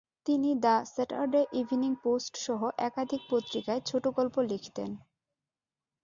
তিনি the Saturday evening পোস্ট-সহ একাধিক পত্রিকায় ছোটগল্প লিখতেন।